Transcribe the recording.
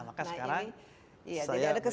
nah maka sekarang saya berikan